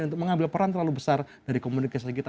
untuk mengambil peran terlalu besar dari komunikasi kita